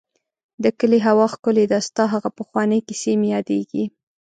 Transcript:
د کلي هوا ښکلې ده ، ستا هغه پخوانی کيسې مې ياديږي.